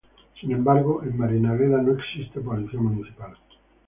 Sin embargo, en Marinaleda no existe policía municipal.